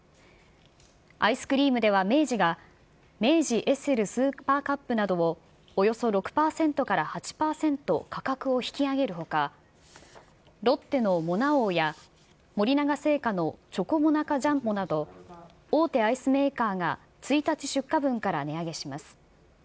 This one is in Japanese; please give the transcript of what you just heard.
アイスクリームでは明治が、明治エッセルスーパーカップなどをおよそ６％から８％価格を引き上げるほか、ロッテのモナ王や、森永製菓のチョコモナカジャンボなど大手アイスメーカーが１日出荷分から値上げします。